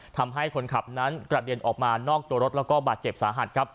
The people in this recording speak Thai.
ทำให้คนขับนั้นกระเด็นออกมานอกตัวรถแล้วก็บาดเจ็บสาหัสครับ